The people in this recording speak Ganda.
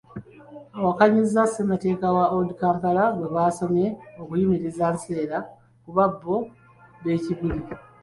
Awakanyizza ssemateeka wa Old Kampala gwe baasomye okuyimiriza Nseera kuba bo b'e Kibuli.